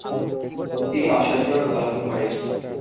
তিনি অসাধারণ ফলাফল করেন।